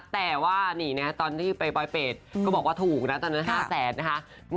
แต่ว่านี่นะตอนที่ไปปลอยเปรตก็บอกว่าถูกนะตอนนั้น๕แสนนะคะ